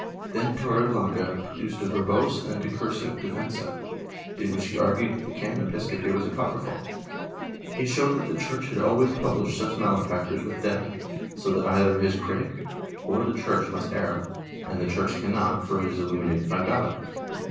Then Torre blanca produced a verbose and discursive "Defensa," in which he argued that the can. Episcopi was apocryphal; he showed that the Church had always punished such malefactors with death, so that either his critic or the Church must err, and the Church cannot, for it is illuminated by God.